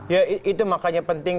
ya itu makanya penting